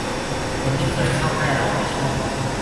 คนที่เคยเข้าใกล้เราในช่วง